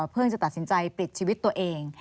เพื่อจะตัดสินใจปลิดชีวิตตัวเอง